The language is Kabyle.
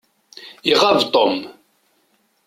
Iɣab Tom.